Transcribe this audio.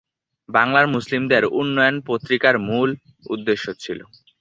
বাংলার মুসলিমদের উন্নয়ন পত্রিকার মূল্য উদ্দেশ্য ছিল।